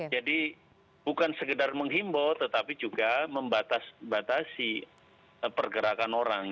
jadi bukan sekedar menghimbau tetapi juga membatasi pergerakan orang